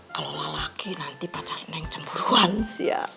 kalau lelaki nanti pacarnya yang cemburuan sih